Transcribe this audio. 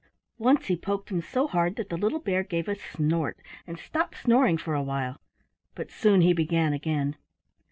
Once he poked him so hard that the little bear gave a snort and stopped snoring for a while, but soon he began again.